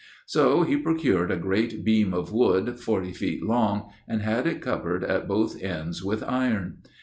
So he procured a great beam of wood, forty feet long, and had it covered at both ends with iron.